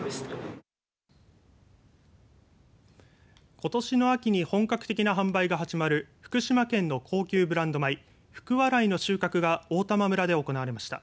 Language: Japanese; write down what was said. ことしの秋に本格的な販売が始まる福島県の高級ブランド米福、笑いの収穫が大玉村で行われました。